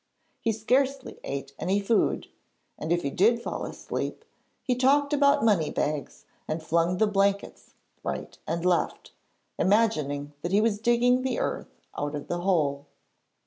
He scarcely ate any food, and if he did fall asleep, he talked about money bags, and flung the blankets right and left, imagining that he was digging the earth out of the hole.